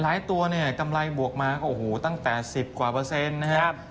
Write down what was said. ตัวเนี่ยกำไรบวกมาก็โอ้โหตั้งแต่๑๐กว่าเปอร์เซ็นต์นะครับ